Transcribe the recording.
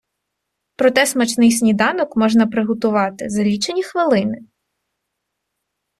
Проте смачний сніданок можна приготувати за лічені хвилини.